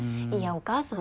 お母さん。